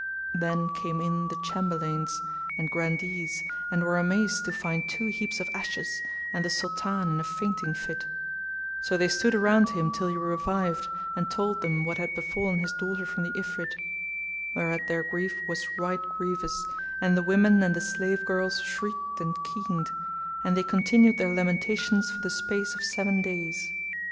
Then came in the Chamberlains and Grandees and were amazed to find two heaps of ashes and the Sultan in a fainting fit; so they stood round him till he revived and told them what had befallen his daughter from the Ifrit; whereat their grief was right grievous and the women and the slave girls shrieked and keened,[FN#253] and they continued their lamentations for the space of seven days.